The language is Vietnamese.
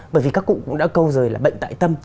bởi vì các cụ cũng đã câu rời là bệnh tại tâm